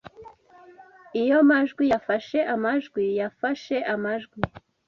Iyo majwi yafashe amajwi yafashe amajwi.